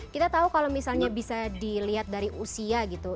kita tahu kalau misalnya bisa dilihat dari usia gitu